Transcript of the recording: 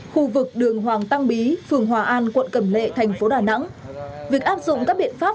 khu vực đường hoàng tăng bí phường hòa an quận cẩm lệ thành phố đà nẵng việc áp dụng các biện pháp